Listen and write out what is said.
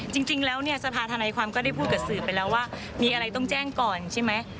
จริงแล้วเนี่ยสภาธนาความก็ได้พูดกับสื่อไปแล้วว่ามีอะไรต้องแจ้งก่อนใช่ไหม